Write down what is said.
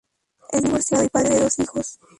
Es divorciado y padre de dos hijos.